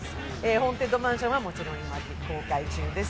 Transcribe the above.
「ホーンテッドマンション」はもちろん今公開中です。